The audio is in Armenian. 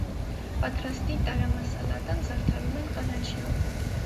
Պատրաստի տարամասալատան զարդարում են կանաչիով։